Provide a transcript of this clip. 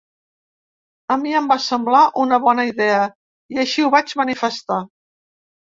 A mi em va semblar una bona idea i així ho vaig manifestar.